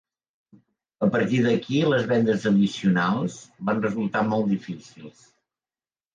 A partir d'aquí les vendes addicionals van resultar molt difícils.